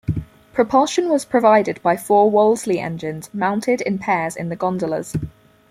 Propulsion was provided by four Wolseley engines, mounted in pairs in the gondolas.